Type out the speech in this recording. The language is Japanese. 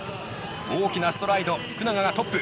大きなストライド福永がトップ。